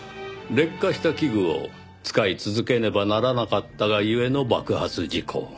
劣化した器具を使い続けねばならなかったが故の爆発事故。